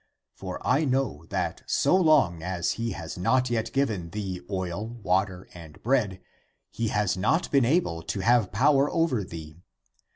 For I know that so long as he has not yet given thee oil, water and bread, he has not been able to have power over thee.